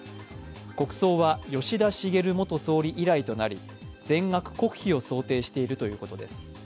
国葬は吉田茂元総理以来となり、全額国費を想定しているということです。